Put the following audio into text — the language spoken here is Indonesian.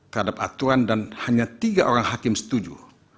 terhadap aturan dan hanya tiga orang hakim setuju